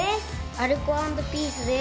アルコ＆ピースです。